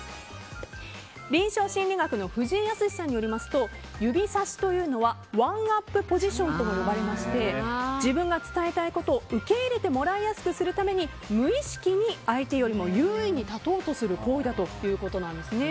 臨床心理学の藤井靖さんによりますと指さしというのはワンアップポジションとも呼ばれまして自分が伝えたいことを受け入れてもらいやすくするために、無意識に相手より優位に立とうとする行為だということです。